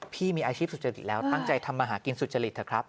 พี่มีอาชีพสุจริตแล้วตั้งใจทำมาหากินสุจริตเถอะครับ